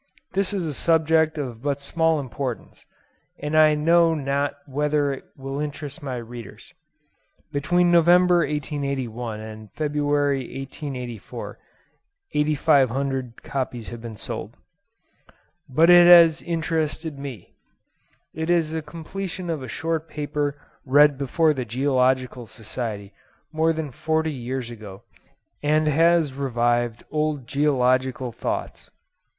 This is a subject of but small importance; and I know not whether it will interest any readers (Between November 1881 and February 1884, 8500 copies have been sold.), but it has interested me. It is the completion of a short paper read before the Geological Society more than forty years ago, and has revived old geological thoughts.